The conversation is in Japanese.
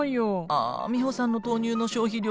あミホさんの豆乳の消費量